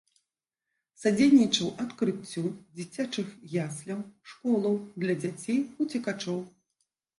Садзейнічаў адкрыццю дзіцячых ясляў, школаў для дзяцей уцекачоў.